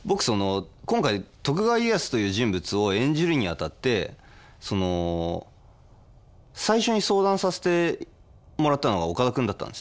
今回徳川家康という人物を演じるにあたって最初に相談させてもらったのが岡田君だったんですね。